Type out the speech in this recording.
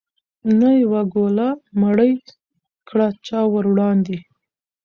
نه یوه ګوله مړۍ کړه چا وروړاندي